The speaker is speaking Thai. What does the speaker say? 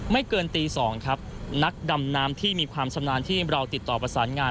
เกินตีสองครับนักดำน้ำที่มีความชำนาญที่เราติดต่อประสานงาน